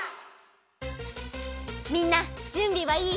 みんなじゅんびはいい？